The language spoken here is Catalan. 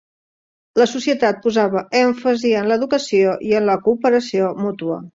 La societat posava èmfasi en l'educació i en la cooperació mútua.